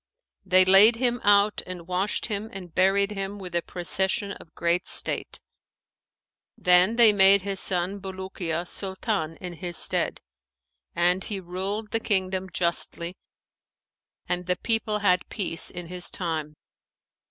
They laid him out and washed him and buried him with a procession of great state. Then they made his son Bulukiya Sultan in his stead; and he ruled the kingdom justly and the people had peace in his time.